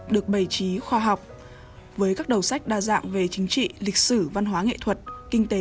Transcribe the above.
được bày trí khoa học với các đầu sách đa dạng về chính trị lịch sử văn hóa nghệ thuật kinh tế